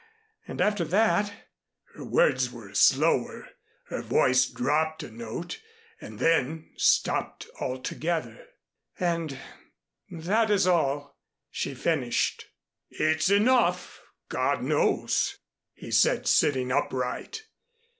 And after that " her words were slower, her voice dropped a note and then stopped altogether "and that is all," she finished. "It's enough, God knows," he said, sitting upright.